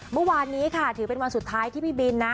เมื่อวานนี้ค่ะถือเป็นวันสุดท้ายที่พี่บินนะ